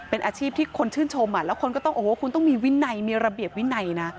เป็นอาชีพที่คนชื่นชมแล้วคนก็ต้องโอ้โหคุณต้องมีวินัยมีระเบียบวินัยนะ